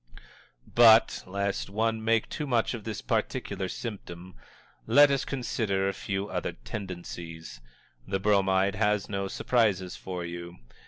But, lest one make too much of this particular symptom, let us consider a few other tendencies. The Bromide has no surprises for you.